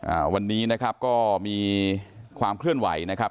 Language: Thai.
อ่าวันนี้นะครับก็มีความเคลื่อนไหวนะครับ